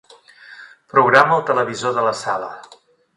Programa el televisor de la sala.